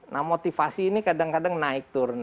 nah motivasi ini kadang kadang naik turun